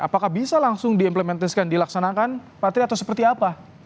apakah bisa langsung diimplementasikan dilaksanakan pak tri atau seperti apa